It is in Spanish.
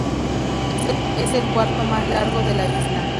Es el cuarto más largo de la isla.